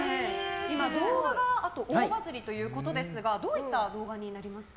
動画が大バズりということですがどういった動画になりますか？